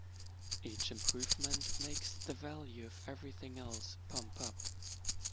Each improvement makes the value of everything else pump up.